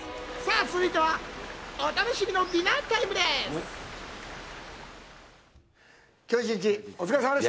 続いては、お楽しみのディナータイムです。